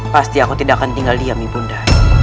pasti aku tidak akan tinggal diam ibunda